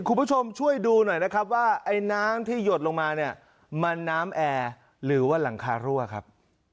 คุณผู้ชมช่วยดูหน่อยนะครับว่าไอ้น้ำที่หยดลงมาเนี่ยมันน้ำแอร์หรือว่าหลังคารั่วครับ